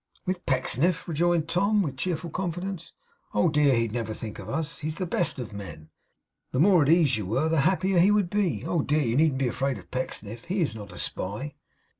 'With Pecksniff!' rejoined Tom, with cheerful confidence. 'Oh dear, he'd never think of us! He's the best of men. The more at ease you were, the happier he would be. Oh dear, you needn't be afraid of Pecksniff. He is not a spy.